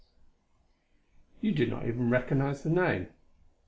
You do not even recognize the name.